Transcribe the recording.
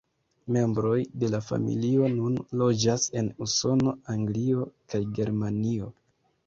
Membroj de la familio nun loĝas en Usono, Anglio kaj Germanio.